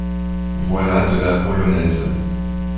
Voilà de la polonaise.